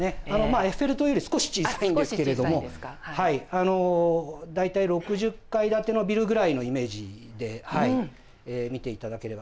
エッフェル塔より少し小さいんですけれども大体６０階建てのビルぐらいのイメージで見ていただければ。